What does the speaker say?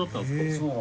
そう。